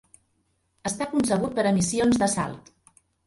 Està concebut per a missions d'assalt.